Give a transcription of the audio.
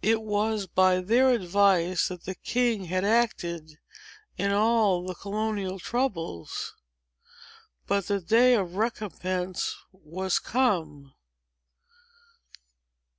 It was by their advice that the king had acted, in all the colonial troubles. But the day of recompense was come.